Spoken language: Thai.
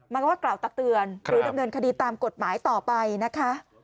มาก็ว่ากล่าวตักเตือนหรือดำเนินคดีตามกฎหมายต่อไปนะคะ